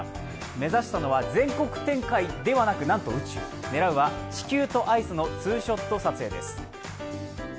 目指したのは全国展開ではなくなんと宇宙狙うは宇宙とのツーショット写真です。